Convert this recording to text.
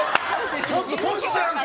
ちょっとトシちゃんと！